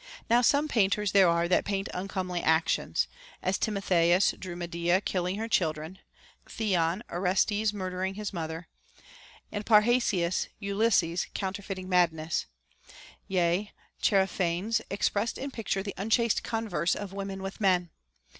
Now some painters there are that paint uncomely actions ; as Timo theus drew Medea killing her children ; Theon, Orestes murdering his mother ; and Parrhasius, Ulysses counter feiting madness ; yea, Chaerephanes expressed in picture the unchaste converse of women with men.